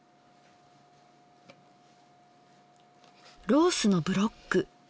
ロースのブロック。